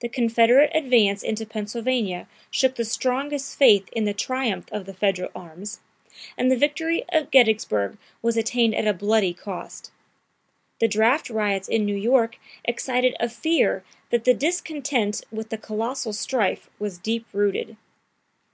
The Confederate advance into Pennsylvania shook the strongest faith in the triumph of the Federal arms, and the victory of Gettysburg was attained at a bloody cost. The draft riots in New York excited a fear that the discontent with the colossal strife was deep rooted.